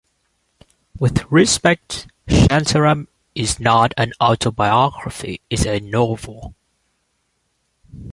"With respect, "Shantaram" is not an autobiography, it's a novel.